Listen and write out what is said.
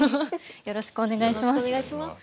よろしくお願いします。